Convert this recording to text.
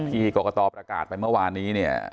พี่กรกตประกาศไปเมื่อวานนี้